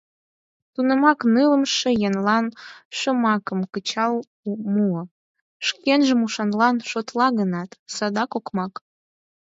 Тунамак нылымше еҥлан шомакым кычал муо: «Шкенжым ушанлан шотла гынат, садак окмак».